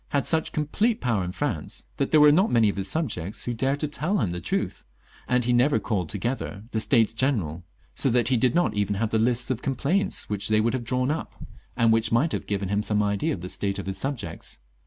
had such complete power in France that there were not many of his subjects who dared to tell him the truth, and Ke never called together the States General, so that he did not even have the lists of com plaints which they would have drawn up, and which might have given him some idea of the state of his sub jects.